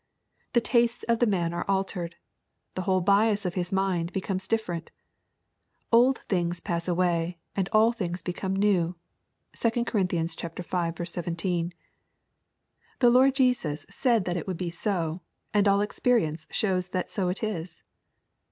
The tastes of the man are altered. The whole .bias of his mind becomes different. " Old things pass away, and all things become new.'' (2 Cor. v. 17.) The Lord Jesus said that it would be so, and all experience shows that so it is.